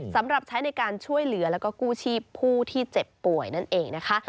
สำหรับใช้ในการช่วยเหลือแล้วก็กู้ชีพผู้ที่เจ็บป่วยนั่นเองนะคะ